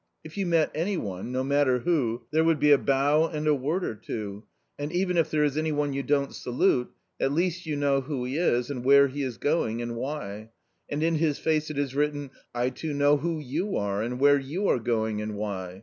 If you met any one — no matter who — there would be a bow and a word or two, and even if there is any one you don't salute, at least you know who he is, and where he is going and why, and in his face is written : I too know who you are and where you are going and why.